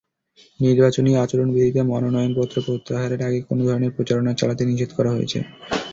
নির্বাচনী আচরণবিধিতে মনোনয়নপত্র প্রত্যাহারের আগে কোনো ধরনের প্রচারণা চালাতে নিষেধ করা হয়েছে।